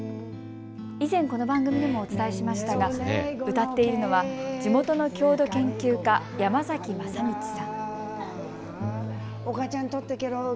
以前、この番組でもお伝えしましたが歌っているのは地元の郷土研究家、山崎正通さん。